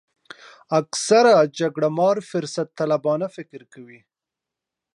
اکثره جګړه مار فرصت طلبان فکر کوي.